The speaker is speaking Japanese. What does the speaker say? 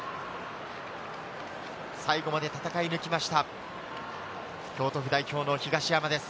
福重良一監督、最後まで戦い抜きました京都府代表の東山です。